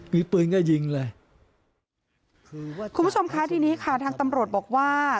มีปืนก็ยิงเลยคุณผู้ชมคะทีนี้ค่ะทางตำรวจบอกว่า